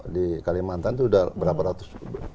di kalimantan itu sudah berapa ratus